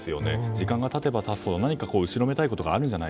時間が経てば経つほど何か後ろめたいことがあるのか？